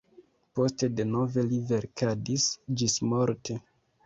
Poste denove li verkadis ĝismorte.